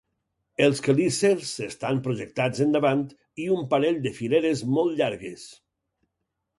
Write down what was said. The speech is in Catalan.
Els quelícers estan projectats endavant, i un parell de fileres molt llargues.